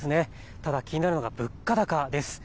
ただ気になるのが物価高です。